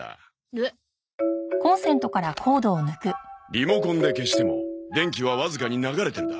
リモコンで消しても電気はわずかに流れてるだ。